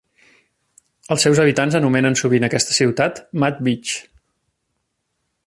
Els seus habitants anomenen sovint aquesta ciutat Mad Beach.